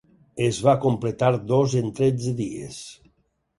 Es va completar dos en tretze dies.